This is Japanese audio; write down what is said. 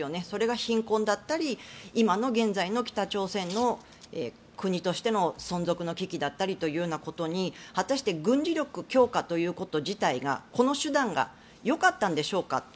それが貧困だったり今の現在の北朝鮮の国としての存続の危機だったりということに果たして軍事力強化ということ自体がこの手段がよかったんでしょうか。